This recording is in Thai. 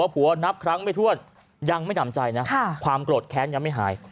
ผัวนับครั้งไม่ถ้วนยังไม่หนำใจนะความโกรธแค้นยังไม่หาย